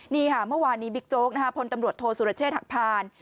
นี่ค่ะเมื่อวานนี้บิ๊กโจ๊กพลตำรวจโทษสุรเชษฐหักพาน